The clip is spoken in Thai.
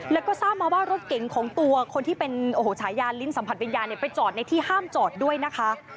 แล้วก็ทราบมาว่ารถเก๋งของตัวคนที่เป็นโอ้โหฉายาลิ้นสัมผัสวิญญาณไปจอดในที่ห้ามจอดด้วยนะคะ